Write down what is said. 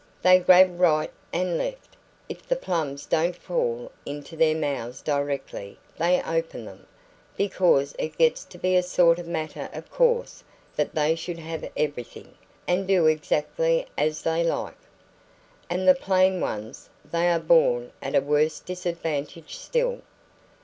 They grab right and left, if the plums don't fall into their mouths directly they open them, because it gets to be a sort of matter of course that they should have everything, and do exactly as they like." "And the plain ones they are born at a worse disadvantage still."